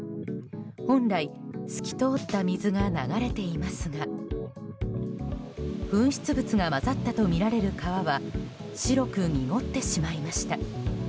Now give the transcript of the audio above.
本来透き通った水が流れていますが噴出物が混ざったとみられる川は白く濁ってしまいました。